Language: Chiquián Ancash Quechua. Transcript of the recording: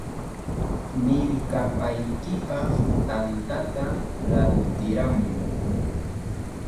¡Mirkapaykipaq tantata rantiramuy!